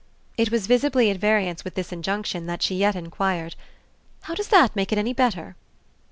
It was visibly at variance with this injunction that she yet enquired: "How does that make it any better?"